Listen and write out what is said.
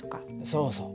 そうそう。